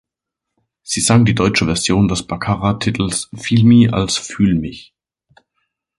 Sie sang die deutsche Version des Baccara-Titels "Feel Me" als "Fühl mich".